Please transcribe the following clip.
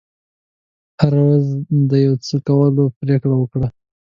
هره ورځ چې د یو څه کولو پرېکړه وکړه.